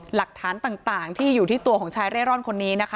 หลักฐานต่างที่อยู่ที่ตัวของชายเร่ร่อนคนนี้นะคะ